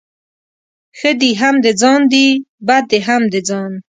ښه دي هم د ځان دي ، بد دي هم د ځآن.